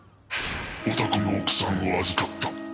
「お宅の奥さんを預かった」